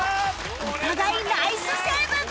お互いナイスセーブ